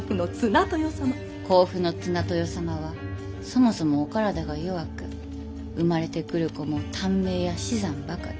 甲府の綱豊様はそもそもお体が弱く産まれてくる子も短命や死産ばかり。